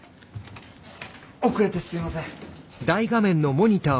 遅れてすいません。